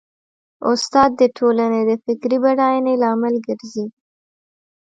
استاد د ټولنې د فکري بډاینې لامل ګرځي.